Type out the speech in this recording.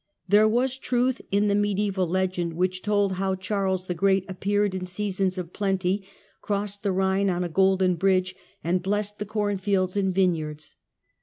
There was truth in the mediaeval legend which told how Charles the Great appeared in seasons of plenty, crossed the Ehine on a golden bridge and blessed the cornfields and vineyards.